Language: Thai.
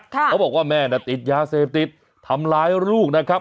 เขาบอกว่าแม่น่ะติดยาเสพติดทำร้ายลูกนะครับ